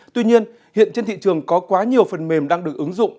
tuy nhiên hiện trên thị trường có quá nhiều phần mềm đang được ứng dụng